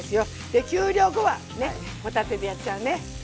で給料後はね帆立てでやっちゃうね。